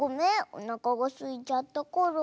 おなかがすいちゃったから。